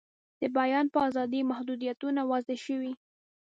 د بیان په آزادۍ محدویتونه وضع شوي.